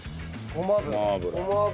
ごま油。